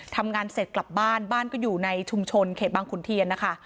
ทำงานเสร็จกลับบ้านบ้านก็อยู่ในชุมชนเขตบางขุนเทียนนะคะ